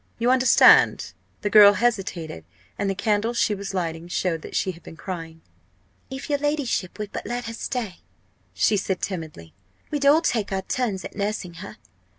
You understand?" The girl hesitated, and the candles she was lighting showed that she had been crying. "If your ladyship would but let her stay," she said timidly, "we'd all take our turns at nursing her.